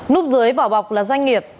nút dưới vỏ bọc là doanh nghiệp